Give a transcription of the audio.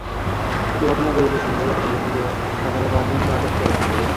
একটি ঘটনায় জড়িত সন্দেহে গতকাল বৃহস্পতিবার সকালে পাঁচজনকে আটক করেছে পুলিশ।